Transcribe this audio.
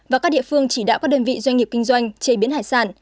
và các địa phương chỉ đạo các đơn vị doanh nghiệp kinh doanh chế biến hải sản